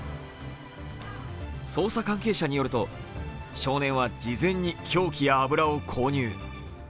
捜査関係者によると、少年は事前に凶器や油を購入。